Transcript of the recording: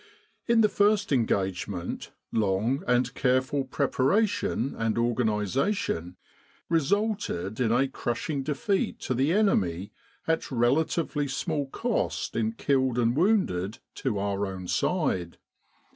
s In the first engagement, long and careful preparation and organisation resulted in a crushing defeat to the enemy at relatively small cost in killed and wounded to our own side.